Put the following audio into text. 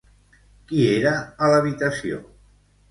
Qui era a l'habitació?